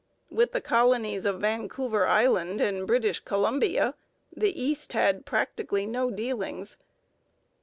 With the colonies of Vancouver Island and British Columbia the East had practically no dealings.